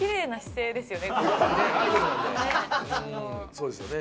そうですね。